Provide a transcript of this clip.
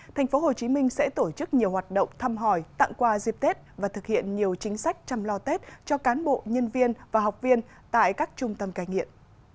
tp hcm sẽ tổ chức nhiều hoạt động thăm hỏi tặng quà dịp tết và thực hiện nhiều chính sách chăm lo tết cho cán bộ nhân viên và học viên tại các trung tâm cai nghiện